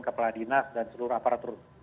kepala dinas dan seluruh aparatur